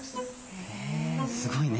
へえすごいね。